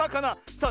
さあ。